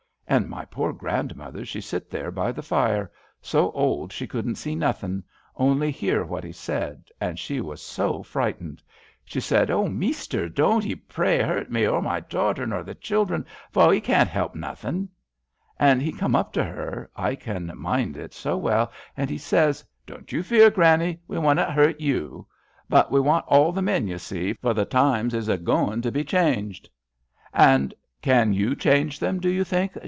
And my poor grandmother she sit there by the fire, so old she couldn't see nothing, only hear what he said, and she was so frightened. She said :* O, Measter, don't 'ee, pray, hurt me, nor my daughter, nor the children, for we can't help nothing,' And he come up to her — I can mind it so well — and he says :* Don't you fear. Granny, we wunnat hurt you ; but we want all the men, you see, for the times is going to be changed.' * And can you change them, do you think